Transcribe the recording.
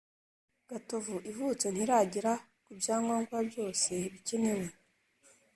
gatovu ivutse ntiragera ku byangombwa byose bikenewe